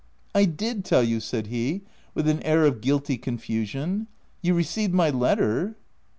" I did tell you," said he, with an air of guilty confusion, " you received my letter